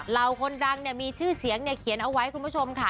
เราคนดังเนี่ยมีชื่อเสียงเนี่ยเขียนเอาไว้ให้คุณผู้ชมค่ะ